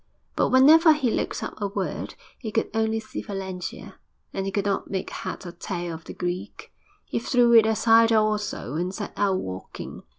But whenever he looked up a word he could only see Valentia, and he could not make head or tail of the Greek. He threw it aside also, and set out walking.